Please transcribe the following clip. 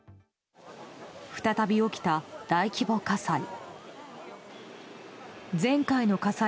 再び起きた大規模火災。